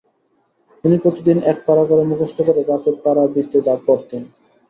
তিনি প্রতিদিন এক পারা করে মুখস্থ করে রাতে তারাবীহতে পড়তেন।